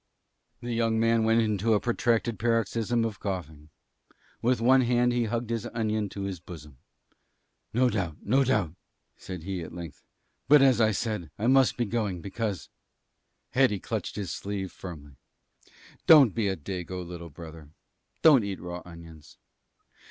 The young man went into a protracted paroxysm of coughing. With one hand he hugged his onion to his bosom. "No doubt; no doubt," said he, at length. "But, as I said, I must be going, because " Hetty clutched his sleeve firmly. "Don't be a Dago, Little Brother. Don't eat raw onions.